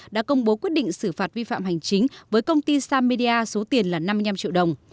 đã công bố quyết định xử phạt vi phạm hành chính với công ty samedia số tiền là năm mươi năm triệu đồng